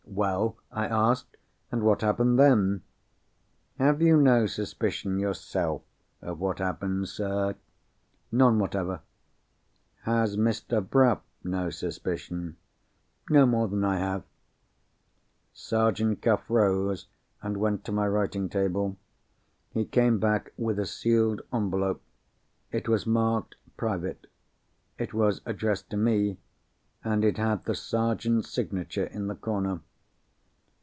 "Well?" I asked. "And what happened then?" "Have you no suspicion yourself of what happened, sir?" "None whatever." "Has Mr. Bruff no suspicion?" "No more than I have." Sergeant Cuff rose, and went to my writing table. He came back with a sealed envelope. It was marked "Private;" it was addressed to me; and it had the Sergeant's signature in the corner.